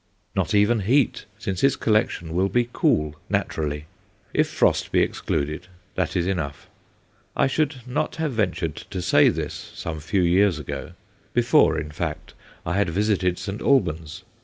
Not even heat, since his collection will be "cool" naturally; if frost be excluded, that is enough. I should not have ventured to say this some few years ago before, in fact, I had visited St. Albans.